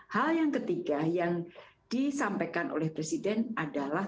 hal yang ketiga yang disampaikan oleh presiden adalah